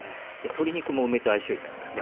鶏肉も梅と相性いいじゃないですか。